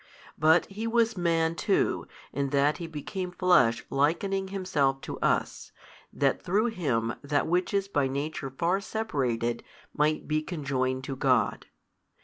But He was Man too, in that He became Flesh likening Himself to us, that through Him that which is by nature far separated might be conjoined to God.